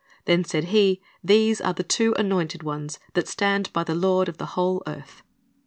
. Then said he, These are the two anointed ones, that stand by the Lord of the whole earth."'